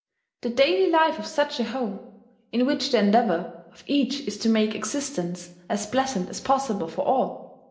The daily life of such a home, in which the endeavour of each is to make existence as pleasant as possible for all.